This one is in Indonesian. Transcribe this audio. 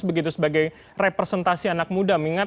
begitu sebagai representasi anak muda